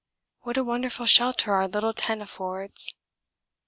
What a wonderful shelter our little tent affords!